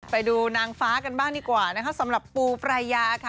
ไปดูนางฟ้ากันบ้างดีกว่านะคะสำหรับปูปรายาค่ะ